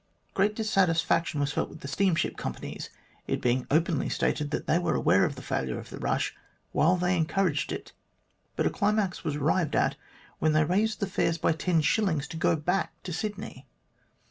Great dissatisfaction was felt with the steamship companies, it being openly stated that they were aware of the failure of the rush while they encouraged it, but a climax was arrived at when they raised the fares by 10s. to go back to Sydney.